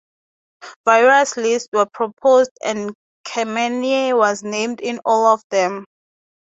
Various lists were proposed and Khamenei was named in all of them.